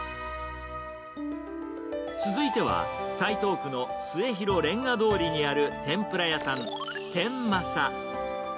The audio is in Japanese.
続いては、台東区のすえひろれんが通りにある天ぷら屋さん、天正。